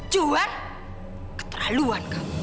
juan keterlaluan kamu